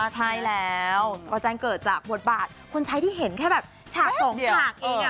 ใช่แล้วก็แจ้งเกิดจากบทบาทคนใช้ที่เห็นแค่แบบฉากสองฉากเอง